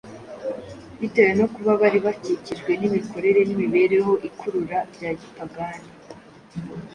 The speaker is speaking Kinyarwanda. Bitewe no kuba bari bakikijwe n’imikorere n’imibereho ikurura bya gipagani,